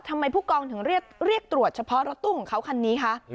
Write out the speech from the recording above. ผู้กองถึงเรียกตรวจเฉพาะรถตู้ของเขาคันนี้คะ